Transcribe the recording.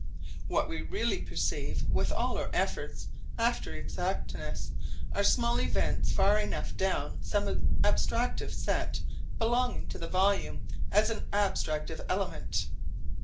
What we really perceive with all our efforts after exactness are small events far enough down some abstractive set belonging to the volume as an abstractive element.